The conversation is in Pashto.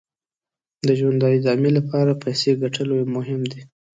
د ژوند د ادامې لپاره پیسې ګټل یې مهم دي.